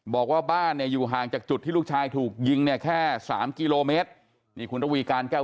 บอกว่าบ้านอยู่ห่างจากจุดที่ลูกชายถูกยิงแค่๓กิโลเมตร